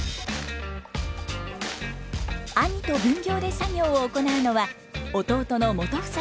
兄と分業で作業を行うのは弟の元英さんです。